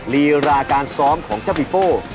รีราการซ้อมของเจ้าปีโป้